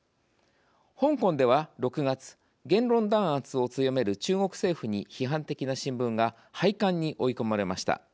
香港では、６月言論弾圧を強める中国政府に批判的な新聞が廃刊に追い込まれました。